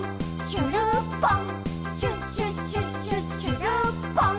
しゅるっぽん！」